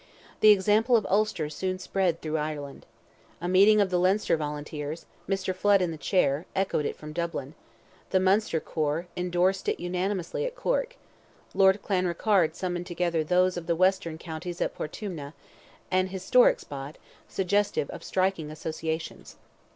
The example of Ulster soon spread through Ireland. A meeting of the Leinster volunteers, Mr. Flood in the chair, echoed it from Dublin; the Munster corps endorsed it unanimously at Cork; Lord Clanrickarde summoned together those of the western counties at Portumna—an historic spot, suggestive of striking associations.